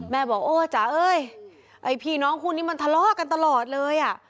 แม่บอกโอ๊ยจ๊ะเอ้ยพี่น้องคู่นี้มันทะเลาะกันตลอดเลย